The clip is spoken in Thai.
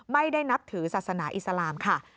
ไม่ได้นับถือศาสนาอิสลามค่ะ